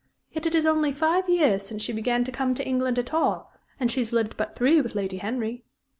Yet it is only five years since she began to come to England at all; and she has lived but three with Lady Henry.